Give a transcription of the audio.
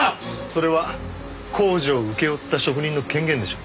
それは工事を請け負った職人の権限でしょ。